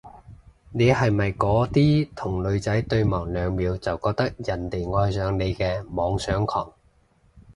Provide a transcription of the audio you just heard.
你係咪嗰啲同女仔對望兩秒就覺得人哋愛上你嘅妄想狂？